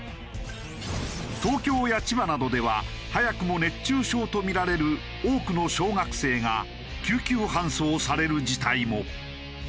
東京や千葉などでは早くも熱中症とみられる多くの小学生が救急搬送される事態も。